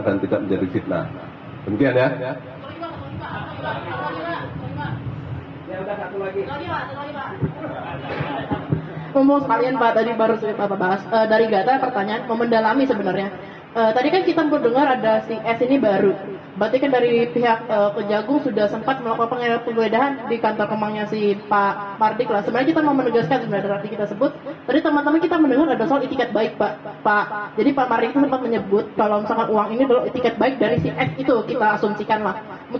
dan tidak menjadi fitnah